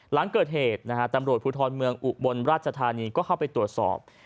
หลังเกิดเหตุนะฮะตำรวจภูทรเมืองอุบลราชธานีก็เข้าไปตรวจสอบ